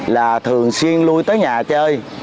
là thường xuyên lui tới nhà chơi